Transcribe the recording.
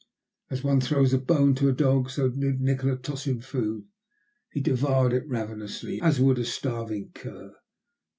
As one throws a bone to a dog so did Nikola toss him food. He devoured it ravenously, as would a starving cur.